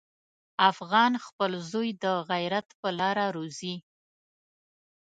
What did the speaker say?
افغان خپل زوی د غیرت په لاره روزي.